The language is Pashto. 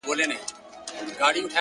• زړگى مي غواړي چي دي خپل كړمه زه،